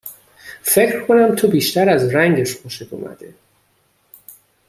فکر کنم تو بیشتر از رنگش خوشت اومده